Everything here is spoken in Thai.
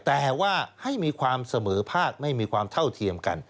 แต่ว่าให้มีความเสมอภาคไม่มีความเท่าเทียมกัน